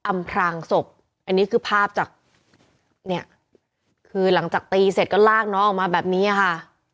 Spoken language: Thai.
อํพลังรอันนี้คือภาพจากเนี้ยคือหลังจากตีเสร็จก็ล่าคนอกมาแบบนี้อ่ะค่ะ